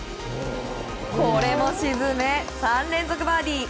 これも沈め、３連続バーディー。